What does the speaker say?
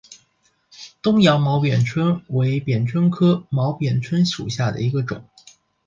东洋毛扁蝽为扁蝽科毛扁蝽属下的一个种。